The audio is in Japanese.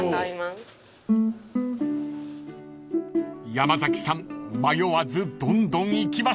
［山崎さん迷わずどんどんいきます］